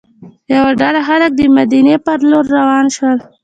یوه ډله خلک د مدینې پر لور روان شول.